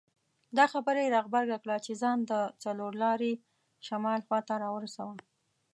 دا خبره یې را غبرګه کړه چې ځان د څلور لارې شمال خواته راورساوه.